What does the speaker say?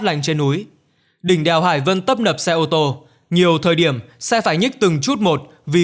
lành trên núi đỉnh đèo hải vân tấp nập xe ô tô nhiều thời điểm xe phải nhích từng chút một vì